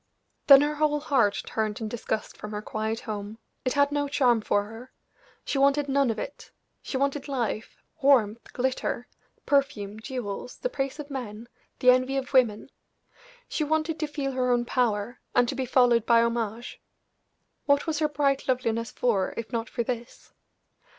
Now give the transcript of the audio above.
Then her whole heart turned in disgust from her quiet home; it had no charm for her; she wanted none of it she wanted life, warmth, glitter, perfume, jewels, the praise of men, the envy of women; she wanted to feel her own power, and to be followed by homage. What was her bright loveliness for if not for this?